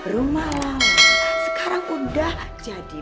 rumah lala sekarang udah jadi mie